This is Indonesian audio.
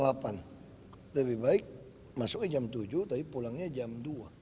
lebih baik masuknya jam tujuh tapi pulangnya jam dua